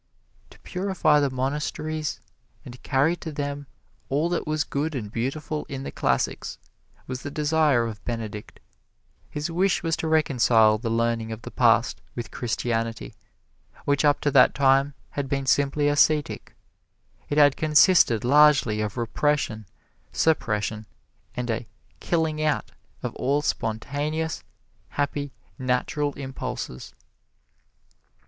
To purify the monasteries and carry to them all that was good and beautiful in the classics, was the desire of Benedict. His wish was to reconcile the learning of the past with Christianity, which up to that time had been simply ascetic. It had consisted largely of repression, suppression and a killing out of all spontaneous, happy, natural impulses.